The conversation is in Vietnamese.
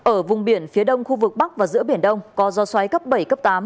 ở vùng biển phía đông khu vực bắc và giữa biển đông có do xoáy cấp bảy cấp tám